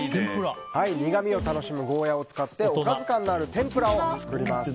苦みを楽しむゴーヤーを使っておかず感のある天ぷらを作ります。